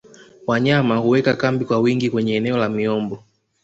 wanyama huweka kambi kwa wingi kwenye eneo la miombo